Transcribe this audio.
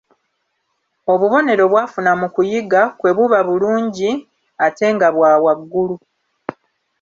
Obubonero bw'afuna mu kuyiga kwe buba bulungi ate nga bwa waggulu.